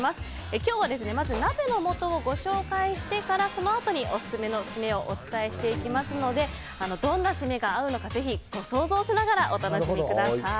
今日はまず鍋のもとをご紹介してからそのあとにオススメのシメをお伝えしていきますのでどんなシメが合うのかぜひ想像しながらお楽しみください。